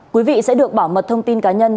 quý vị sẽ được bảo mật thông tin cá nhân